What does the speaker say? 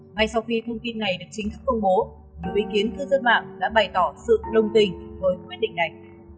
ngay sau khi thông tin này được chính thức công bố nhiều ý kiến cư dân mạng đã bày tỏ sự đồng tình với quyết định này